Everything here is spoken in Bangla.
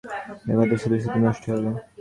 এখানে শুধু শুধু নষ্ট হবে।